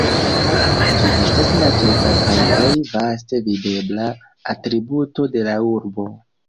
Ĝi estas la ĉefa kaj plej vaste videbla atributo de la urbo.